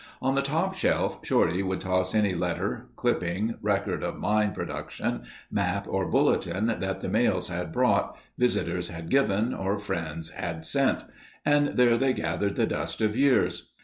On the top shelf, Shorty would toss any letter, clipping, record of mine production, map, or bulletin that the mails had brought, visitors had given, or friends had sent. And there they gathered the dust of years.